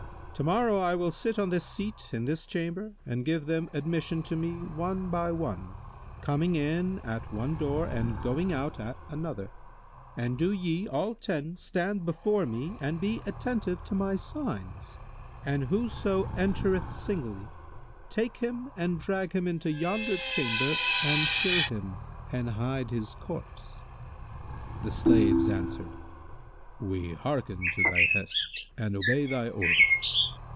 To morrow I will sit on this seat in this chamber and give them admission to me one by one, coming in at one door and going out at another; and do ye, all ten, stand before me and be attentive to my signs: and whoso entereth singly, take him and drag him into yonder chamber and kill him and hide his corpse." The slaves answered, "We hearken to thy hest and obey thy order."